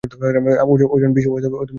অর্জুন ভীষ্ম ও দ্রোণকে বধ করিয়াছিলেন।